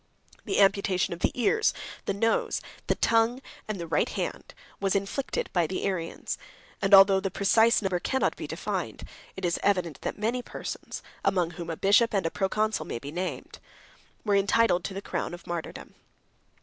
The amputation of the ears the nose, the tongue, and the right hand, was inflicted by the Arians; and although the precise number cannot be defined, it is evident that many persons, among whom a bishop 103 and a proconsul 104 may be named, were entitled to the crown of martyrdom.